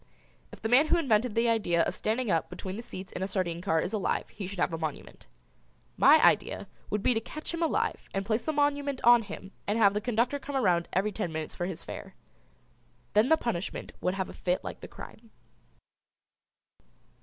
If the man who invented the idea of standing up between the seats in a sardine car is alive he should have a monument. My idea would be to catch him alive and place the monument on him and have the conductor come around every ten minutes for his fare. Then the punishment would have a fit like the crime.